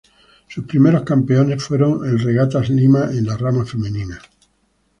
Sus primeros campeones fueron el Regatas Lima en la rama femenina.